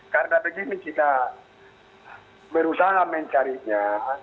karena begini kita berusaha mencarinya